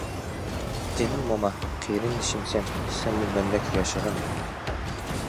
جېنىم موما قېرىندىشىمسەن، سەنمۇ مەندەك ياشىغىن ئەمدى.